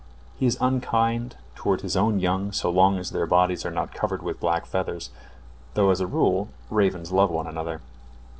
He is unkind toward his own young so long as their bodies are not covered with black feathers, though as a rule ravens love one another.